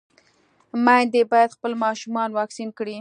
ميندې بايد خپل ماشومان واکسين کړي.